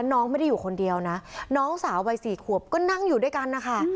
น้องไม่ได้อยู่คนเดียวนะน้องสาววัย๔ขวบก็นั่งอยู่ด้วยกันนะคะ